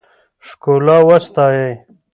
ښکلا وستایئ.